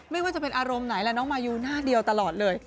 ไม่ว่าจะเป็นอารมณ์ไหนแหละน้องมายูหน้าเดียวตลอดเลย